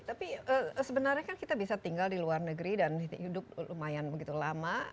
tapi sebenarnya kan kita bisa tinggal di luar negeri dan hidup lumayan begitu lama